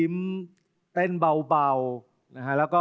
ไม่รู้เลย